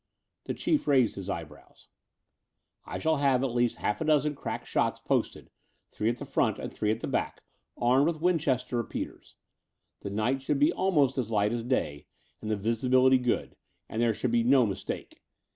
The Chief raised his eyebrows. ''I shall have at least half a dozen crack shots posted, three at the front and three at the back, armed with Winchester repeaters. The night should be almost as light as day, and the visibility good; and there should be no mistake.